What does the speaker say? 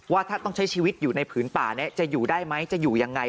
ว่าถ้าต้องใช้ชีวิตอยู่ในพื้นป่าจะอยู่ได้ไหมอยู่อย่างไร